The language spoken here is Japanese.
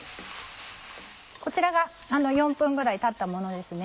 こちらが４分ぐらいたったものですね。